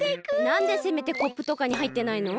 なんでせめてコップとかにはいってないの？